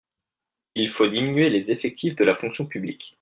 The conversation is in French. Il faut diminuer les effectifs de la fonction publique